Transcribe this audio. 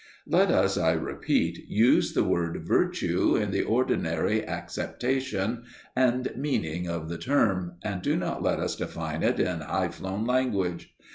Let us, I repeat, use the word virtue in the ordinary acceptation and meaning of the term, and do not let us define it in high flown language.